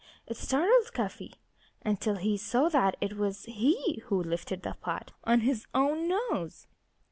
It startled Cuffy, until he saw that it was he who lifted the pot, on his own nose.